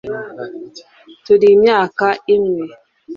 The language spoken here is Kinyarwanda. turi imyaka imwe